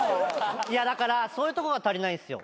いやだからそういうとこが足りないんですよ。